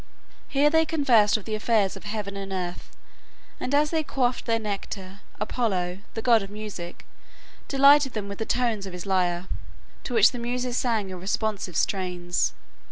Here they conversed of the affairs of heaven and earth; and as they quaffed their nectar, Apollo, the god of music, delighted them with the tones of his lyre, to which the Muses sang in responsive strains.